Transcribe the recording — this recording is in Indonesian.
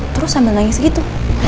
terus sambil nangis gitu